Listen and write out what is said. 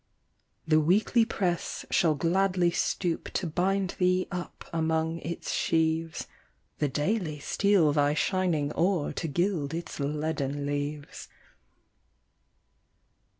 The Weekly press shall gladly stoop To bind thee up among its sheaves; The Daily steal thy shining ore, To gild its leaden leaves.